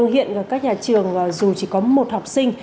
hiện các nhà trường dù chỉ có một học sinh